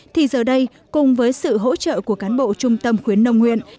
thì giờ đây cùng với sự hỗ trợ của cán bộ trung tâm khuyến nông huyện